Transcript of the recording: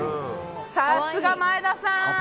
さすが前田さん。